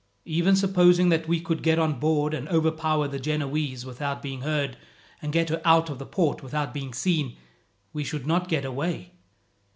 "Even supposing that we could get on board, and overpower the Genoese without being heard, and get her out of the port without being seen, we should not get away.